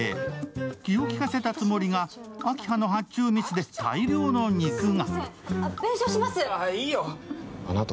気を利かせたつもりが、明葉の発注ミスで大量の肉が。